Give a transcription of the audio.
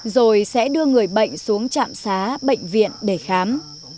rồi sẽ đưa người bệnh xuống trạm xá bệnh viện để khám